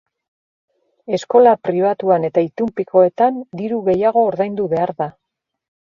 Eskola pribatuan eta itunpekoetan diru gehiago ordaindu behar da.